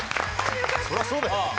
そりゃあそうだよね。